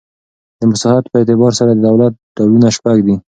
د مساحت په اعتبار سره د دولت ډولونه شپږ دي.